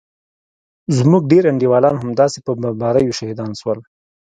زموږ ډېر انډيوالان همداسې په بمباريو شهيدان سول.